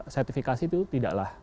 sertifikasi itu tidaklah